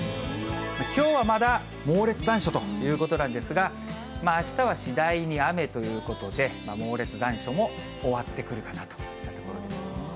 きょうはまだ猛烈残暑ということなんですが、あしたは次第に雨ということで、猛烈残暑も終わってくるかなといったところですね。